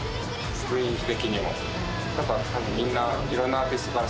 雰囲気的にも。